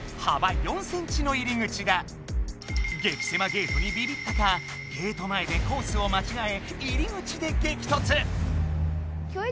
ゲートにビビったかゲート前でコースをまちがえ入り口で激とつ。